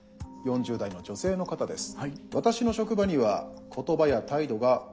４０代の女性の方です。